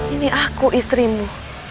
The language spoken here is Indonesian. ini aku istrimu